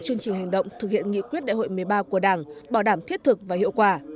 chương trình hành động thực hiện nghị quyết đại hội một mươi ba của đảng bảo đảm thiết thực và hiệu quả